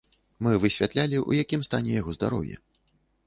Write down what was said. Мы высвятлялі, у якім стане яго здароўе.